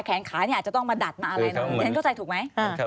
ขาเนี่ยอาจจะต้องมาดัดมาอะไรเนอะฉันเข้าใจถูกไหม